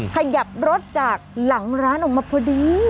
ขยับรถจากหลังร้านออกมาพอดี